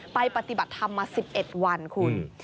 ปฏิบัติธรรมมา๑๑วันคุณ